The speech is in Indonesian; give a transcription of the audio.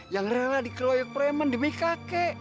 yang rela dikeroyok preman demi kakek